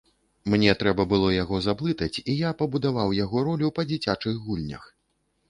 Мне трэба было яго заблытаць, і я пабудаваў яго ролю па дзіцячых гульнях.